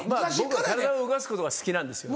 僕は体を動かすことが好きなんですよね。